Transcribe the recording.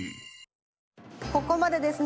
ここまでですね